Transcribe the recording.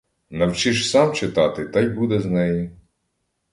Навчиш сам читати, та й буде з неї.